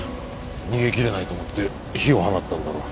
逃げきれないと思って火を放ったんだろう。